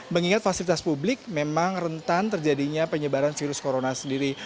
mengingat fasilitas publik memang rentan terjadinya penyebaran virus corona sendiri